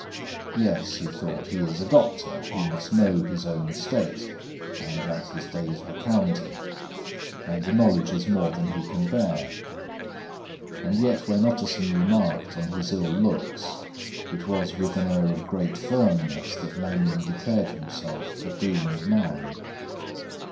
"Yes," he thought; "he is a doctor, he must know his own state and that his days are counted; and the knowledge is more than he can bear." And yet when Utterson remarked on his ill looks, it was with an air of great firmness that Lanyon declared himself a doomed man.